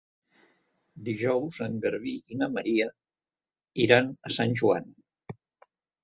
Dilluns en Garbí i na Maria iran a Sant Joan.